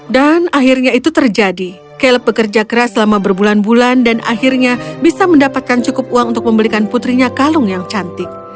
dan akhirnya itu terjadi caleb bekerja keras selama berbulan bulan dan akhirnya bisa mendapatkan cukup uang untuk membelikan putrinya kalung yang cantik